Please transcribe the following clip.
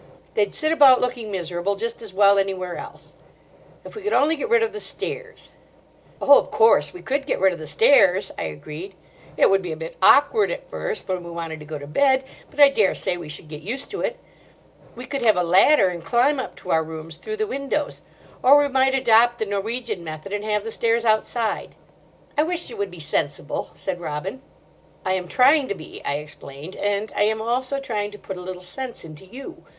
They'd sit about, looking miserable, just as well anywhere else. If we could only get rid of the stairs—" "Oh, of course! we could get rid of the stairs," I agreed. "It would be a bit awkward at first, when we wanted to go to bed. But I daresay we should get used to it. We could have a ladder and climb up to our rooms through the windows. Or we might adopt the Norwegian method and have the stairs outside." "I wish you would be sensible," said Robin. "I am trying to be," I explained; "and I am also trying to put a little sense into you.